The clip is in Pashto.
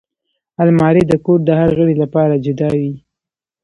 الماري د کور د هر غړي لپاره جدا وي